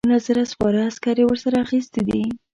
نولس زره سپاره عسکر یې ورسره اخیستي دي.